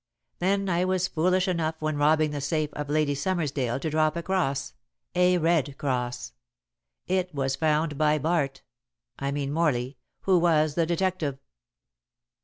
Then I was foolish enough when robbing the safe of Lady Summersdale to drop a cross a red cross. It was found by Bart I mean Morley, who was the detective."